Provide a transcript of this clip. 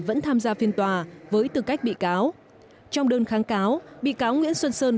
vẫn tham gia phiên tòa với tư cách bị cáo trong đơn kháng cáo bị cáo nguyễn xuân sơn